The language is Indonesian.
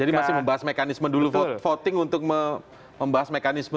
jadi masih membahas mekanisme dulu voting untuk membahas mekanisme